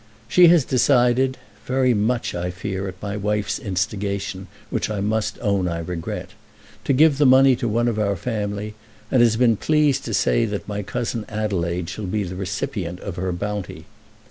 She has decided, very much, I fear, at my wife's instigation, which I must own I regret, to give the money to one of our family, and has been pleased to say that my cousin Adelaide shall be the recipient of her bounty.